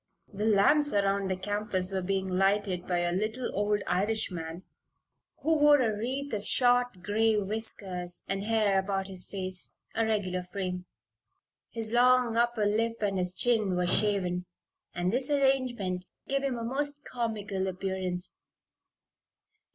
The lamps around the campus were being lighted by a little old Irishman, who wore a wreath of short, gray whiskers and hair about his face a regular frame. His long upper lip and his chin were shaven, and this arrangement gave him a most comical appearance.